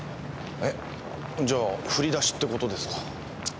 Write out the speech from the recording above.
えっ？じゃあ振り出しって事ですか。